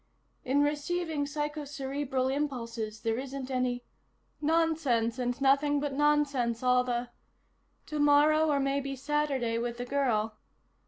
"... in receiving psychocerebral impulses there isn't any ... nonsense and nothing but nonsense all the ... tomorrow or maybe Saturday with the girl